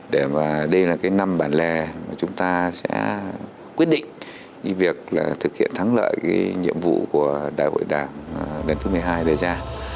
đây là cái năm bản lè chúng ta sẽ quyết định việc thực hiện thắng lợi nhiệm vụ của đại hội đảng đần thứ một mươi hai đưa ra